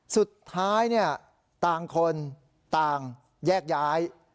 สุดท้ายต่างคนต่างแยกย้าย